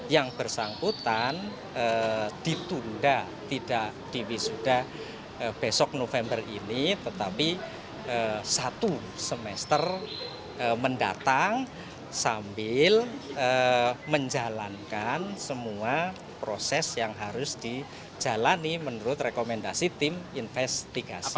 yang bersangkutan ditunda tidak di wisuda besok november ini tetapi satu semester mendatang sambil menjalankan semua proses yang harus dijalani menurut rekomendasi tim investigasi